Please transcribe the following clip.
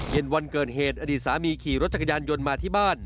วันเกิดเหตุอดีตสามีขี่รถจักรยานยนต์มาที่บ้าน